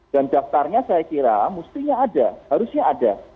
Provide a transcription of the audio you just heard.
dan daftarnya saya kira mestinya ada harusnya ada